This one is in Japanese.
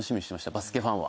バスケファンは。